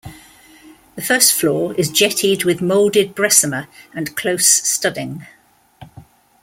The first floor is jettied with moulded bressumer and close studding.